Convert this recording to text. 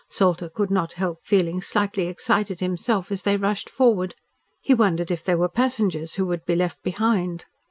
Salter could not help feeling slightly excited himself as they rushed forward. He wondered if they were passengers who would be left behind.